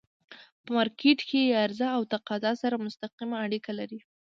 په مارکيټ کی عرضه او تقاضا سره مستقیمه اړیکه لري.